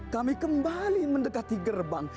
kami kembali mendekati gerbang